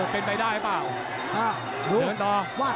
เป็นไปได้หรือเปล่า